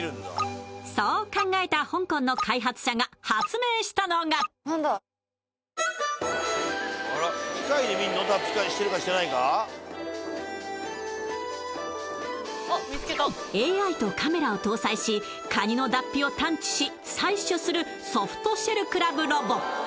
そう考えた香港の開発者が発明したのがＡＩとカメラを搭載しかにの脱皮を探知し採取するソフトシェルクラブロボ。